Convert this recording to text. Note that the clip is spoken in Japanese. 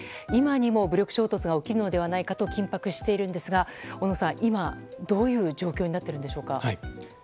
今にも武力衝突が起きるのではないかと緊迫しているんですが小野さん、今、どういう状況になっているんでしょうか。